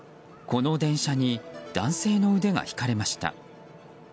この電車に、男性の腕がひかれました。